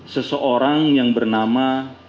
seseorang yang bernama